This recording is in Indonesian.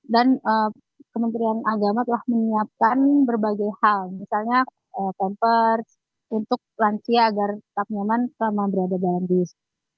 dan kementerian agama telah menyiapkan berbagai hal misalnya pemper untuk lansia agar tetap nyaman selama berada dalam bus